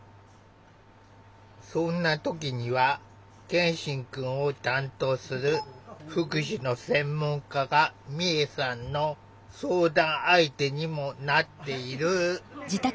そんな時には健心くんを担当する福祉の専門家が美恵さんの相談相手にもなっている。